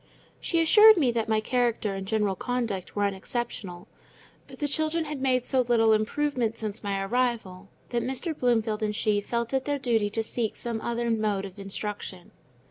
She assured me that my character and general conduct were unexceptionable; but the children had made so little improvement since my arrival that Mr. Bloomfield and she felt it their duty to seek some other mode of instruction.